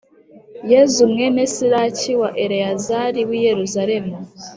Yezu mwene Siraki, wa Eleyazari w’i Yeruzalemu,